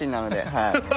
はい。